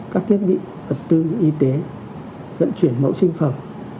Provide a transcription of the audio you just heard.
các thiết bị vật tư y tế vận chuyển mẫu sinh phẩm